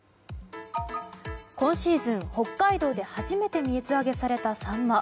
今シーズン、北海道で初めて水揚げされたサンマ。